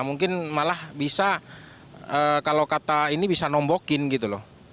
mungkin malah bisa kalau kata ini bisa nombokin gitu loh